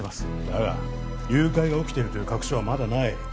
ダメだ誘拐が起きているという確証はまだない